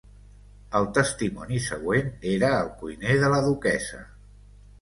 El testimoni següent era el cuiner de la duquessa.